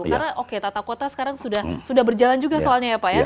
karena oke tata kota sekarang sudah berjalan juga soalnya ya pak ya